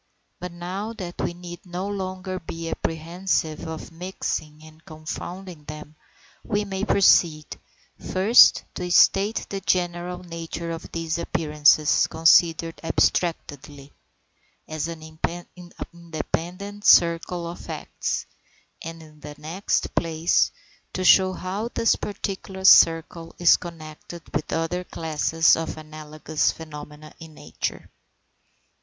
But now that we need no longer be apprehensive of mixing or confounding them, we may proceed, first, to state the general nature of these appearances considered abstractedly, as an independent circle of facts, and, in the next place, to show how this particular circle is connected with other classes of analogous phenomena in nature.